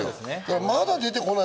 まだ出てこない。